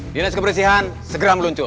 dinas kebersihan segera meluncur